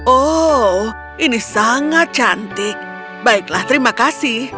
oh ini sangat cantik baiklah terima kasih